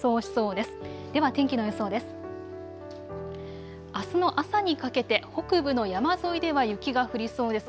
では天気の予想です。